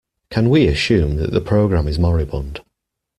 Can we assume that the program is moribund?